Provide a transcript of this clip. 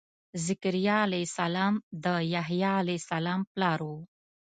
ذکریا علیه السلام د یحیا علیه السلام پلار و.